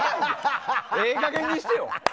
ええかげんにしてよ。